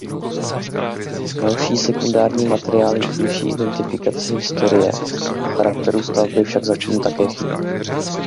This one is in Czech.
Další sekundární materiály k bližší identifikaci historie a charakteru stavby však zatím také chybí.